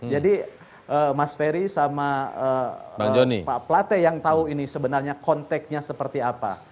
jadi mas ferry sama pak plate yang tahu ini sebenarnya konteknya seperti apa